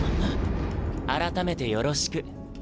改めてよろしく。